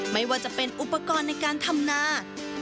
ไม่ว่าจะเป็นอุปกรณ์ในการทำนา